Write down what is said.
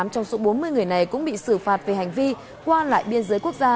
tám trong số bốn mươi người này cũng bị xử phạt về hành vi qua lại biên giới quốc gia